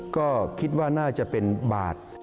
ก็คิดว่าน่าจะเป็นบาท